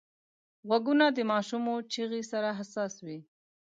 غوږونه د ماشومو چیغو سره حساس وي